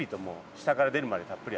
下から出るまでたっぷり。